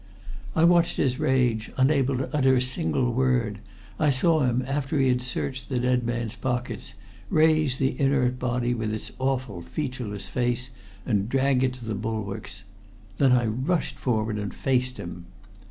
"I watched his rage, unable to utter a single word. I saw him, after he had searched the dead man's pockets, raise the inert body with its awful featureless face and drag it to the bulwarks. Then I rushed forward and faced him.